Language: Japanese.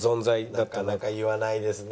なかなか言わないですね